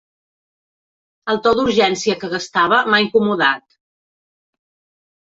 El to d'urgència que gastava m'ha incomodat.